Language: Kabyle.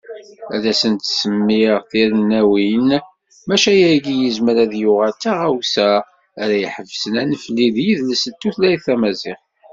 Ad asent-semmiɣ tirennawin, maca ayagi yezmer ad yuɣal d taɣawsa ara iḥebsen anefli n yidles d tutlayt tamaziɣt.